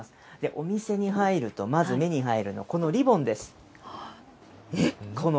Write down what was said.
お店に入ると、まず目に入るのが、このリボンです。